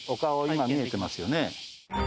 今見えてますよね。